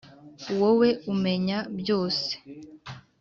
wowe umenya byose,